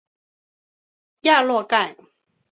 雅洛盖。